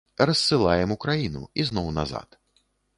Рассылаем у краіну, ізноў назад.